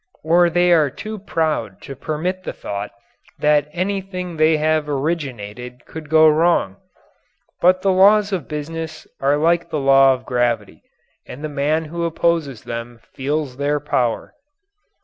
Or they are too proud to permit the thought that anything they have originated could go wrong. But the laws of business are like the law of gravity, and the man who opposes them feels their power.